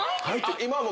今も。